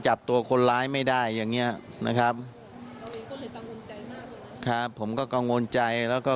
จับตัวคนร้ายไม่ได้อย่างเงี้ยนะครับครับผมก็กังวลใจแล้วก็